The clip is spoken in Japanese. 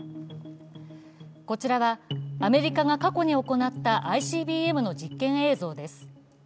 こちらはアメリカが過去に行ったＩＣＢＭの実験映像です。